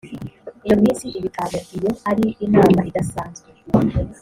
iyo minsi iba itanu iyo ari inama idasanzwe